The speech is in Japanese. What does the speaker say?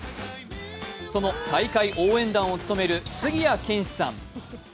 その大会応援団を務める杉谷拳士さん。